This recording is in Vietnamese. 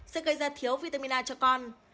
sẽ gây ra thiếu vitamin a cho con